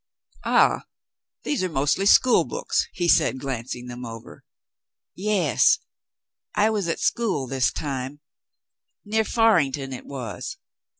"Ah, these are mostly school books," he said, glancing them over. "Yes, I was at school this time — near Farington it was.